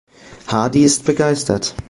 Hardy ist begeistert.